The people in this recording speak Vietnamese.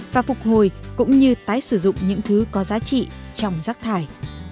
và phục hồi cũng như tái sử dụng những thứ có giá trị